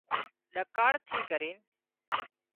ۮڪاۯ ٿي ڪرينَ